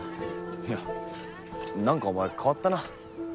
いやなんかお前変わったな。